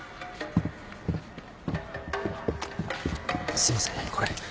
すいませんこれ。